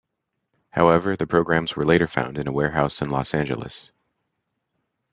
However, the programs were later found in a warehouse in Los Angeles.